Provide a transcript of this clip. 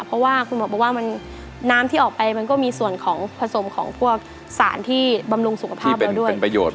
เพราะว่าน้ำที่ออกไปมันก็มีส่วนของผสมของพวกสารที่บำรุงสุขภาพเราด้วย